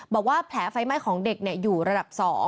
บอกว่าแผลไฟไหม้ของเด็กอยู่ระดับ๒